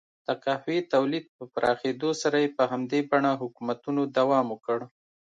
د قهوې تولید په پراخېدو سره یې په همدې بڼه حکومتونو دوام وکړ.